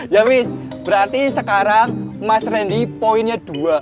ya wis berarti sekarang mas randy poinnya dua